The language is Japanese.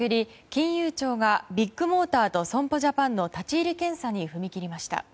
金融庁がビッグモーターと損保ジャパンの立ち入り検査に踏み切りました。